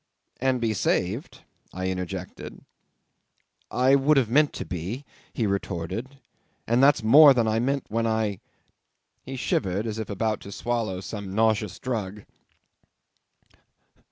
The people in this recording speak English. '"And be saved," I interjected. '"I would have meant to be," he retorted. "And that's more than I meant when I" ... he shivered as if about to swallow some nauseous drug